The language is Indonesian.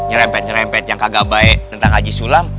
nyerempet nyerempet yang kagak baik tentang haji sulam